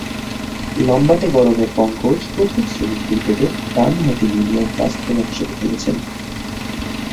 লম্বাটে গড়নের পঙ্কজ প্রথম-শ্রেণীর ক্রিকেটে ডানহাতি মিডিয়াম ফাস্ট বোলার হিসেবে খেলছেন।